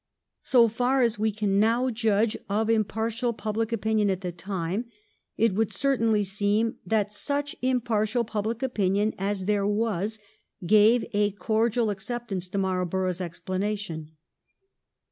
So far as we can now judge of impartial public opinion at that time, it would certainly seem that such impartial public opinion as there was gave a cordial acceptance to Marl borough's explanation.